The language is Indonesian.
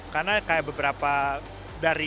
karena kayak beberapa dari